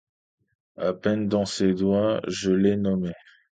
A peine dans ses doigts je les nommais !